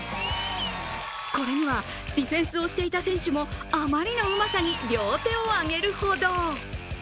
これにはディフェンスをしていた選手もあまりのうまさに両手を上げるほど。